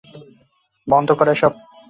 বন্ধ করো এসব।